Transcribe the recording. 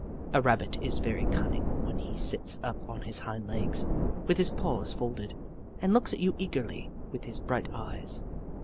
A Rabbit is very cunning when he sits up on his hind legs, with his paws folded, and looks at you eagerly with his bright eyes.